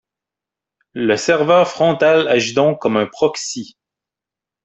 Le serveur frontal agit donc comme un proxy.